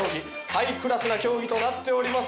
ハイクラスな競技となっております。